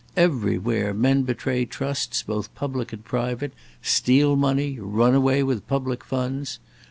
Everywhere men betray trusts both public and private, steal money, run away with public funds.